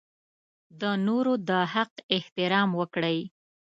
د نورو د حق احترام وکړئ.